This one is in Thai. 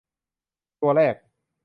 ตัวแรก